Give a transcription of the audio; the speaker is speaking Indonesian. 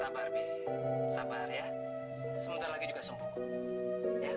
be silakan tidur dulu ya